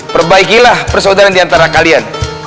perbaikilah persaudara di antara kalian